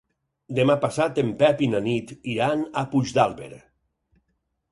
Demà passat en Pep i na Nit iran a Puigdàlber.